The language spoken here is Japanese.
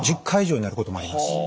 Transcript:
１０回以上になることもあります。